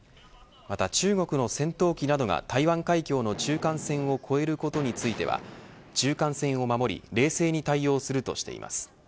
また中国の戦闘機などが、台湾海峡の中間線を越えることについては中間線を守り冷静に対応するとしています。